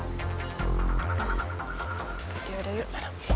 ya udah yuk